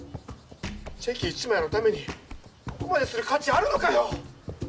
チェキ１枚のためにここまでする価値あるのかよ